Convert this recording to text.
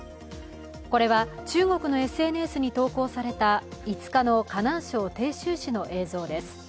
これは中国のＳＮＳに投稿された５日の河南省鄭州市の映像です。